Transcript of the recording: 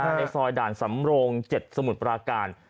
ในซอยด่านสำโรง๗สมุทรปราการ